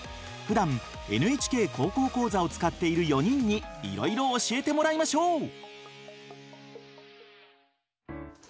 ふだん「ＮＨＫ高校講座」を使っている４人にいろいろ教えてもらいましょう！